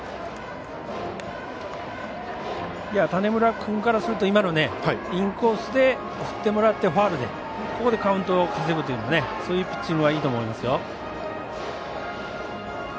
種村君からすると今のインコースで振ってもらってファウルでここでカウントを稼ぐというピッチングはいいと思いますよ。